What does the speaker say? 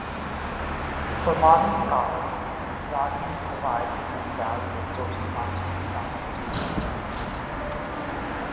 For modern scholars, Zongmi provides the most valuable sources on Tang dynasty Zen.